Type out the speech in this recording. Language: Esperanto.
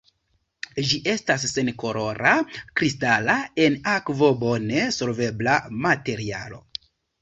Ĝi estas senkolora, kristala, en akvo bone solvebla materialo.